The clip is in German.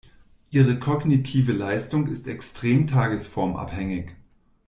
Ihre kognitive Leistung ist extrem tagesformabhängig.